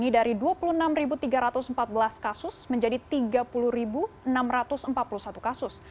dari dua puluh enam tiga ratus empat belas kasus menjadi tiga puluh enam ratus empat puluh satu kasus